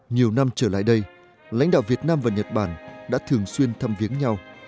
nhiều năm trở lại đây lãnh đạo việt nam và nhật bản đã thường xuyên thăm viếng nhau